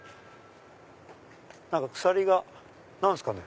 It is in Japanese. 何か鎖が。何すかね？